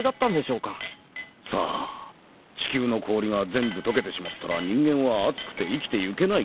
地球の氷が全部とけてしまったら人間は暑くて生きてゆけないかもな。